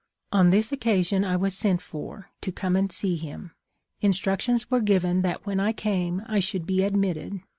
On this occasion I was sent for, to come and see him. Instructions were given that when I came I should be admitted.